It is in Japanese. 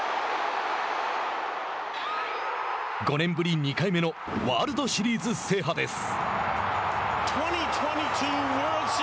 ５年ぶり２回目のワールドシリーズ制覇です。